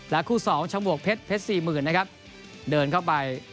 และคู่สองชมวกเพชรเพชรสี่หมื่นนะครับเดินเข้าไป